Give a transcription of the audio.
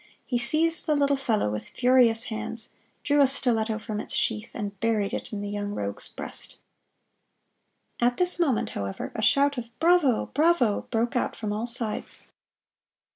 He seized the little fellow with furious hands, drew a stiletto from its sheath, and buried it in the young rogue's breast. At this moment, however, a shout of "Bravo! Bravo!" broke out from all sides.